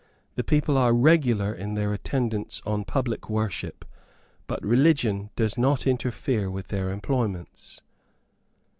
The people are regular in their attendance on public worship, but religion does not interfere with their employments.